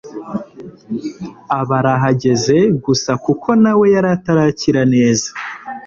aba arahageze gusa kuko nawe yari atarakira neza